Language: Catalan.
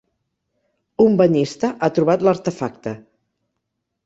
Un banyista ha trobat l'artefacte